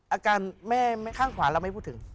อาการแม่ข้างขวาเราไม่พูดถึง